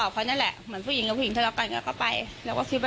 สสิบ